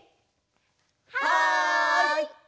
はい！